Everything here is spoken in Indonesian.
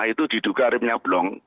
itu diduga remnya belum